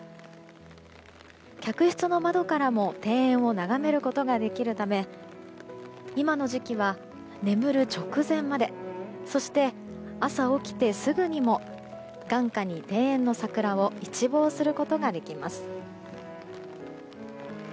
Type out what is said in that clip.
客室の窓からも庭園を眺めることができるため今の時期は、眠る直前までそして、朝起きてすぐにも眼下に庭園の桜を一望することができます。